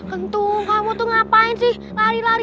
kentung kamu tuh ngapain sih lari lari